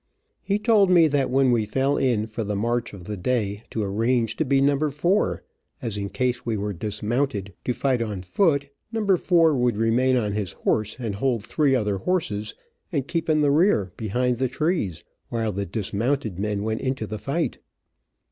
He told me that when we fell in, for the march of the day, to arrange to be No. 4, as in case we were dismounted, to fight on foot, number four would remain on his horse, and hold three other horses, and keep in the rear, behind the trees, while the dismounted men went into the fight.